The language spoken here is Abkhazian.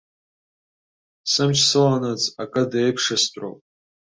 Сымч сыланаҵ акы деиԥшыстәроуп.